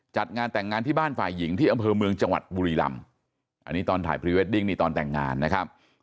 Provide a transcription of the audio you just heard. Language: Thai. จัดงานแต่งงานที่บ้านฝ่ายหญิงที่อำเภอเมืองจังหวัดบุรีลำอันนี้ตอนถ่ายพรีเวดดิ้งนี่ตอนแต่งงานนะครับ